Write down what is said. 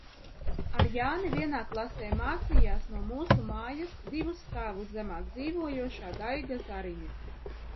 Ar Jāni vienā klasē mācījās no mūsu mājas, divus stāvus zemāk dzīvojošā Daiga Zariņa.